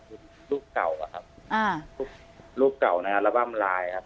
คือลูกเก่าอะครับอ่าลูกเก่านะครับระบัมลายครับ